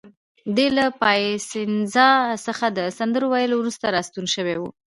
دی له پایسنزا څخه د سندرو ویلو وروسته راستون شوی و.